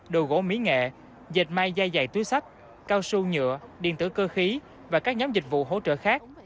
đồ gỗ mỹ nghệ dệt may da dày túi sách cao su nhựa điện tử cơ khí và các nhóm dịch vụ hỗ trợ khác